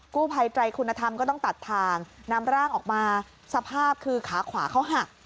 กู้ภัยไตรคุณธรรมก็ต้องตัดทางนำร่างออกมาสภาพคือขาขวาเขาหัก